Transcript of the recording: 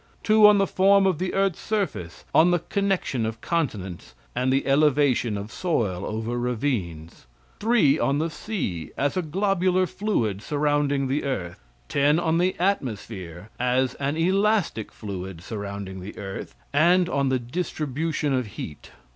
Two on the form of the earth's surface, on the connection of continents, and the elevation of soil over ravines. Three on the sea as a globular fluid surrounding the earth. Ten on the atmosphere as an elastic fluid surrounding the earth, and on the distribution of heat.